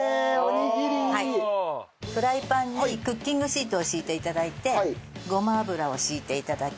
フライパンにクッキングシートを敷いて頂いてごま油を敷いて頂き